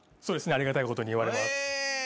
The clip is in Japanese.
ありがたいことに言われます。